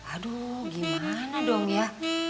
aduh gimana dong ya